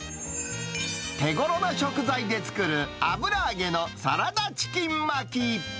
手ごろな食材で作る油揚げのサラダチキン巻き。